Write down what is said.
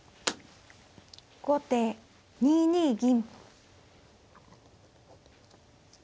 後手２二銀。